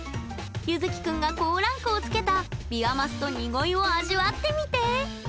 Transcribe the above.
ゆずきくんが高ランクを付けたビワマスとニゴイを味わってみて！